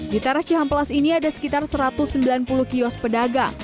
di teras cihamplas ini ada sekitar satu ratus sembilan puluh kios pedagang